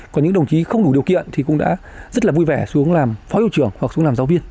có những đồng chí không đủ điều kiện thì cũng đã rất là vui vẻ xuống làm phó hiệu trưởng hoặc xuống làm giáo viên